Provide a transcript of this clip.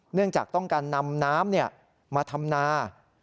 เนื่องจากต้องการนำน้ำมาทำนา